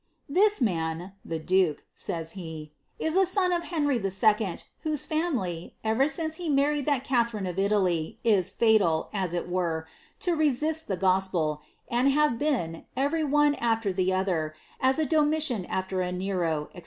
'^■ This man (the duke)," says he, is a son of Henry IL, whose family, ever since he married with Catherine of Italy, is fatal, ba it were, to resist the gospel, sod have been, every one aAer the other, as a Domitian after a Nero, &c.